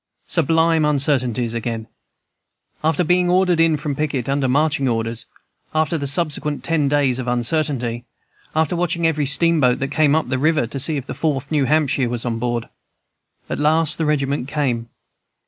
'" "Sublime uncertainties again! "After being ordered in from picket, under marching orders; after the subsequent ten days of uncertainty; after watching every steamboat that came up the river, to see if the Fourth New Hampshire was on board, at last the regiment came.